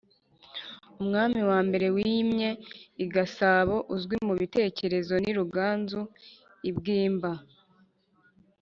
Umwami wa mbere wimye i Gasabo uzwi mu bitekerezo ni Ruganzu I Bwimba;